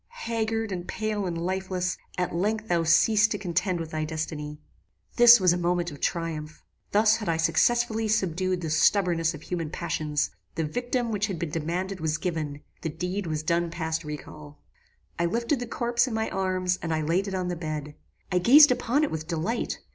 Haggard, and pale, and lifeless, at length thou ceasedst to contend with thy destiny. "This was a moment of triumph. Thus had I successfully subdued the stubbornness of human passions: the victim which had been demanded was given: the deed was done past recal. "I lifted the corpse in my arms and laid it on the bed. I gazed upon it with delight.